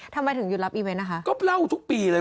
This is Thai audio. ทำไมถึงหยุดรับอีเวนต์นะคะก็เล่าทุกปีเลย